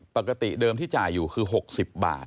ปกติเดิมที่จ่ายอยู่คือ๖๐บาท